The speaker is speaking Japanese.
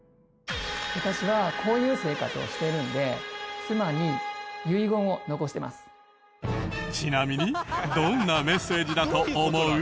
私はこういう生活をしているのでちなみにどんなメッセージだと思う？